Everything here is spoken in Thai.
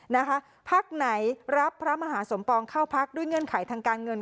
นะคะพักไหนรับพระมหาสมปองเข้าพักด้วยเงื่อนไขทางการเงิน